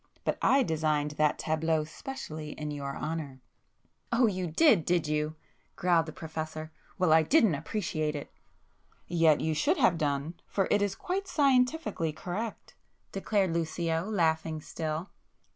But I designed that tableau specially in your honour!" "Oh, you did, did you?" growled the Professor—"Well, I didn't appreciate it." "Yet you should have done, for it is quite scientifically correct,"—declared Lucio laughing still.